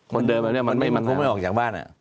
คนเดินแบบนี้มันไม่มาก